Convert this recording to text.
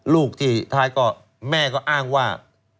ลูกที่ท้ายก็แม่ก็อ้างว่า